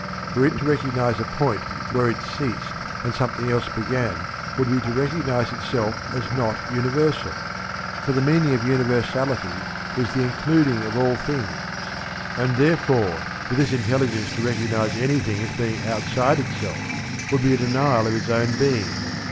For it to recognize a point where itself ceased and something else began would be to recognize itself as not universal; for the meaning of universality is the including of all things, and therefore for this intelligence to recognize anything as being outside itself would be a denial of its own being.